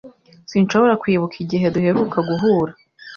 Sinshobora kwibuka igihe duheruka guhura.